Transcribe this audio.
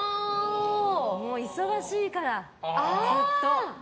もう忙しいから、ずっと。